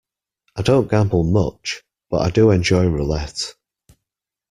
I don't gamble much, but I do enjoy roulette.